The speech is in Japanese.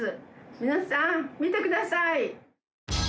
皆さん見てください。